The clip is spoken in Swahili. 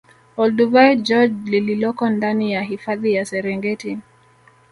Olduvai Gorge lililoko ndani ya hifadhi ya Serengeti